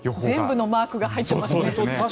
全部のマークが入っていますね。